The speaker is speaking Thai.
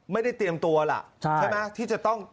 ไม่ได้เตรียมตัวแหละใช่ไหม